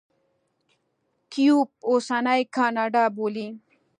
کیوبک اوسنۍ کاناډا بولي.